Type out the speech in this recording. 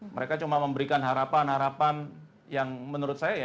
mereka cuma memberikan harapan harapan yang menurut saya ya